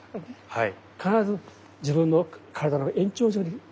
はい。